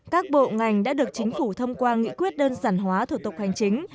các bộ ngành đã được chính phủ thông qua nghị quyết đơn giản hóa thủ tục hành chính